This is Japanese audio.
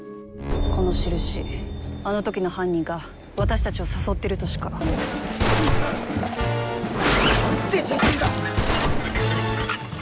この印あの時の犯人が私たちを誘ってるとしか。なんてじじいだ！